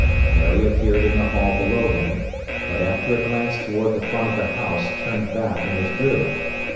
Mary appeared in the hall below him, but, after a glance toward the front of the house, turned back, and withdrew.